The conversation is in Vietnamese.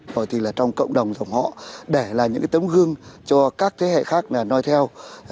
hoặc thì là trong cộng đồng dòng họ để là những tấm gương cho các thế hệ khác nói theo